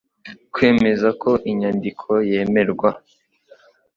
kwemeza ko inyandiko yemerwa